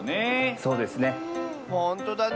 そうですね。